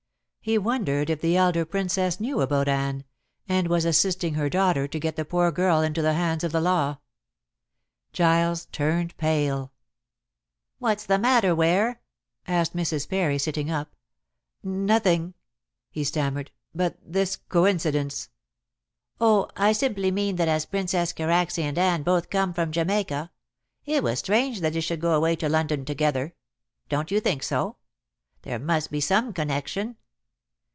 He wondered if the elder Princess knew about Anne, and was assisting her daughter to get the poor girl into the hands of the law. Giles turned pale. "What's the matter, Ware?" asked Mrs. Parry, sitting up. "Nothing," he stammered; "but this coincidence " "Oh, I simply mean that as Princess Karacsay and Anne both came from Jamaica, it was strange that they should go away to London together. Don't you think so, too? There must be some connection."